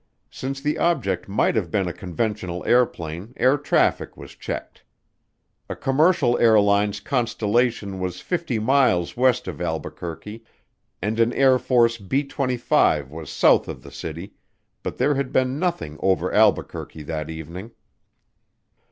Since the object might have been a conventional airplane, air traffic was checked. A commercial airlines Constellation was 50 miles west of Albuquerque and an Air Force B 25 was south of the city, but there had been nothing over Albuquerque that evening.